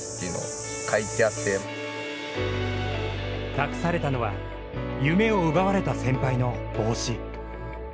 託されたのは夢を奪われた先輩の帽子。